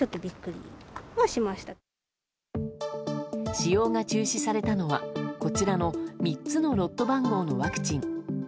使用が中止されたのはこちらの３つのロット番号のワクチン。